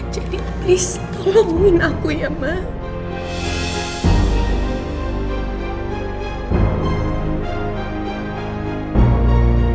jadi please tolongin aku ya mah